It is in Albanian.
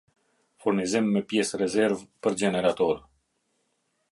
Furnizim me pjesërezervë për gjenerator